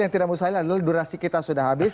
yang tidak mustahil adalah durasi kita sudah habis